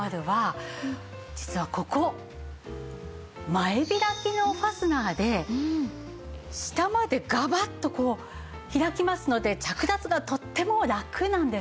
前開きのファスナーで下までガバッとこう開きますので着脱がとってもラクなんです。